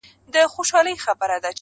ستا پر لوري د اسمان سترګي ړندې دي-